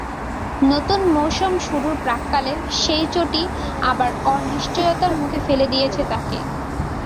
নতুন মৌসুম শুরুর প্রাক্কালে সেই চোটই আবার অনিশ্চয়তার মুখে ফেলে দিয়েছে তাঁকে।